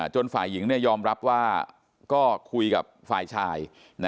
ฝ่ายหญิงยอมรับว่าก็คุยกับฝ่ายชาย